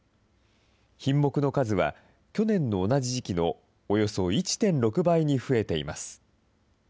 品目の数は去年の同じ時期のおよそ１．６倍に増えています。